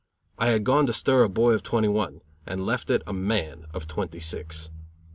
I had gone to stir a boy of twenty one, and left it a man of twenty six.